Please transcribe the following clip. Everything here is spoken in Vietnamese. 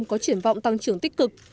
có triển vọng tăng trưởng tích cực